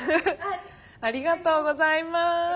ありがとうございます。